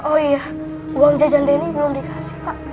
oh iya uang jajan denny belum dikasih pak